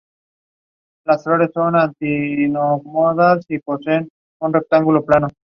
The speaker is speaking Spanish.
El diagnóstico molecular permite una aplicación precisa de cada fármaco en cada paciente.